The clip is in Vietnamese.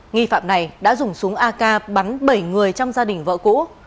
nghi phạm này đã dùng súng ak bắn bảy người trong gia đình vợ cũ